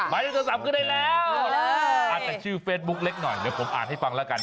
ค่ะโอเคออกเลยอันแต่ชื่อเฟซบุ๊กเล็กหน่อยเดี๋ยวผมอ่านให้ฟังละกัน